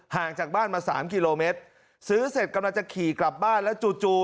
ห่างจากบ้านมาสามกิโลเมตรซื้อเสร็จกำลังจะขี่กลับบ้านแล้วจู่จู่